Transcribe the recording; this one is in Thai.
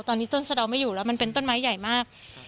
ตอนนี้ต้นสะดอกไม่อยู่แล้วมันเป็นต้นไม้ใหญ่มาก